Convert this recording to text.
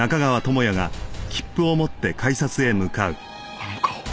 あの顔